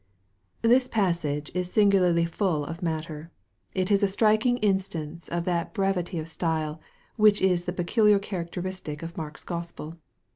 THIS passage is singularly full of matter. It is a strik ing instance of that brevity of style, which is the pecu liar characteristic of Mark's Gospel.